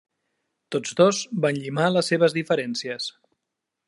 Tots dos van llimar les seves diferències.